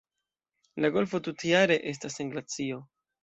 La golfo tutjare estas sen glacio.